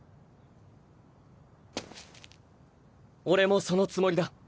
俺もそのつもりだ。